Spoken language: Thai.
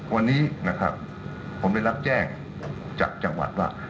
วันนี้นะครับผมได้รับแจ้งจากจังหวัดว่า